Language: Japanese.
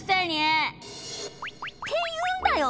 って言うんだよ！